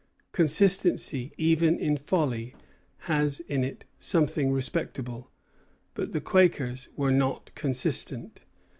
Consistency, even in folly, has in it something respectable; but the Quakers were not consistent.